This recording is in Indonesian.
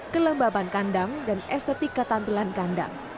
kelembaban kandang dan estetik ketampilan kandang